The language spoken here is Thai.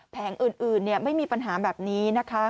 แผงอื่นไม่มีปัญหาแบบนี้นะคะ